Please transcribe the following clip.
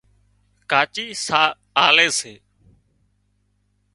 ڪاچي ساهَه آلي سي